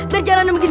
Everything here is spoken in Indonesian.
biar jalan begini